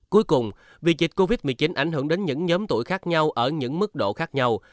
cuối cùng vì dịch covid một mươi chín ảnh hưởng đến những nhóm tuổi khác nhau ở những mức độ khác nhau